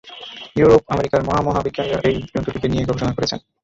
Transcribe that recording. Europe, আমেরিকার মহা মহা বিজ্ঞানীরা এই জন্তুটিকে নিয়ে গবেষণা করেছেন।